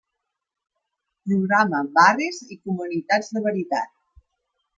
Programa Barris i Comunitats de Veritat.